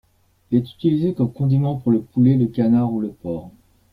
Il est utilisé comme condiment pour le poulet, le canard ou le porc.